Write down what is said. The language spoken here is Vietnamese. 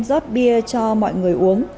giót bia cho mọi người uống